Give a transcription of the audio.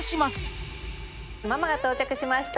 ママが到着しました！